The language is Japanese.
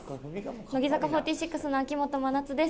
乃木坂４６の秋元真夏です。